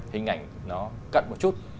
hình ảnh nó cận một chút